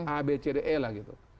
a b c d e lah gitu